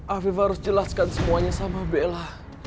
afifa harus jelaskan semuanya sama bella